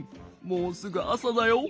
もうすぐあさだよ。